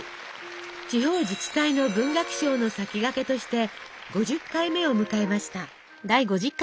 地方自治体の文学賞の先駆けとして５０回目を迎えました。